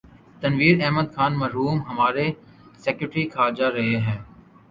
تنویر احمد خان مرحوم ہمارے سیکرٹری خارجہ رہے ہیں۔